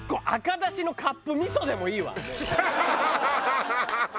ハハハハ！